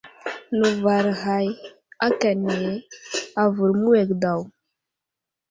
Nəvar ghay akane avər məwege daw.